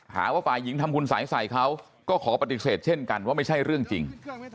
หาว่าฝ่ายหญิงทำคุณสัยใส่เขาก็ขอปฏิเสธเช่นกันว่าไม่ใช่เรื่องจริง